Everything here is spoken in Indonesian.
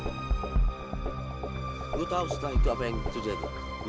lo tau setelah itu apa yang terjadi